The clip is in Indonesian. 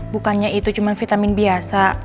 bukannya itu cuma vitamin biasa